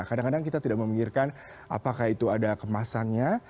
kadang kadang kita tidak memikirkan apakah itu ada kemasannya